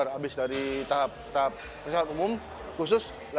habis dari tahap tahap persiapan umum khusus